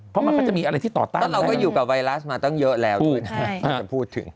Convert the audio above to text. เพราะมันก็จะมีอะไรที่ต่อต้านเราก็อยู่กับไวรัสมาตั้งเยอะแล้วที่จะพูดถึง